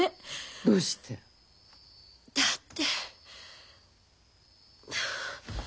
どうして？だって。